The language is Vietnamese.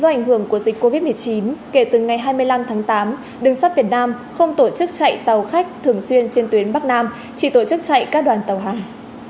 do ảnh hưởng của dịch covid một mươi chín kể từ ngày hai mươi năm tháng tám đường sắt việt nam không tổ chức chạy tàu khách thường xuyên trên tuyến bắc nam chỉ tổ chức chạy các đoàn tàu hàng